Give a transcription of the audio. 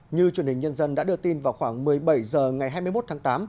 như truyền hình nhân dân đã đưa tin vào khoảng một mươi bảy h ngày hai mươi một tháng tám